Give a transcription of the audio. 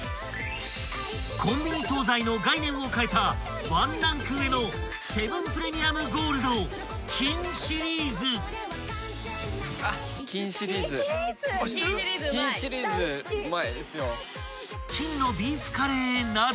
［コンビニ総菜の概念を変えたワンランク上のセブンプレミアムゴールド金シリーズ］［金のビーフカレーなど］